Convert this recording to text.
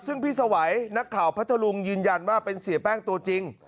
ซึ่งพี่สวัยนักข่าวพัทธลุงยืนยันว่าเป็นเสียแป้งตัวจริง